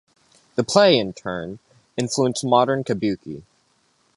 The play, in turn, influenced modern Kabuki.